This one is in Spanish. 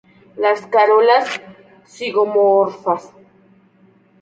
Las corolas zigomorfas.